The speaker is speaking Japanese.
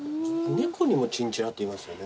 ネコにもチンチラっていますよね？